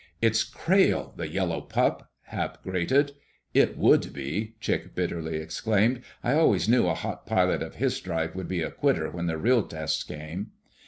"It's Crayle, the yellow pup!" Hap grated. "It would be!" Chick bitterly exclaimed. "I always knew a hot pilot of his stripe would be a quitter when the real test came."